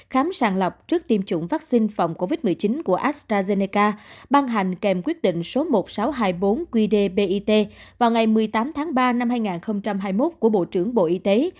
khám sàng lọc trước tiêm chủng vaccine phòng covid một mươi chín của astrazeneca ban hành kèm quyết định số một nghìn sáu trăm hai mươi bốn qd bit vào ngày một mươi tám tháng ba năm hai nghìn hai mươi một của bộ trưởng bộ y tế